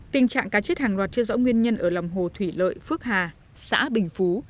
tình trạng cá chết hàng loạt chưa rõ nguyên nhân ở lòng hồ thủy lợi phước hà xã bình phú